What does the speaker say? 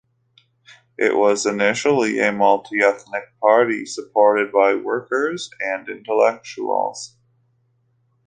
It was initially a multi-ethnic party supported by workers and intellectuals.